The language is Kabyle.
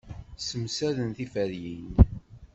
Ssemsaden tiferyin.